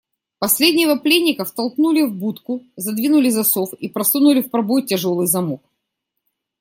Последнего пленника втолкнули в будку, задвинули засов и просунули в пробой тяжелый замок.